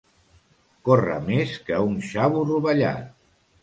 Córrer més que un xavo rovellat.